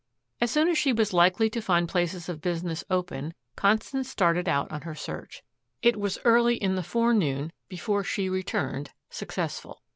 As soon as she was likely to find places of business open Constance started out on her search. It was early in the forenoon before she returned, successful.